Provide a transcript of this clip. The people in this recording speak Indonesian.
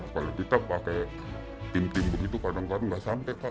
kalau kita pakai tim tim begitu kadang kadang nggak sampai pak